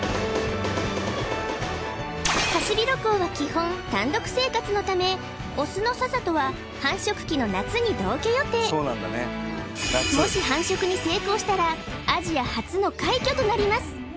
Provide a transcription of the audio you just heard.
ハシビロコウは基本単独生活のためオスのささとは繁殖期の夏に同居予定もし繁殖に成功したらアジア初の快挙となります